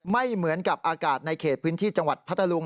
ไม่เหมือนกับอากาศในเขตพื้นที่จังหวัดพัทธลุง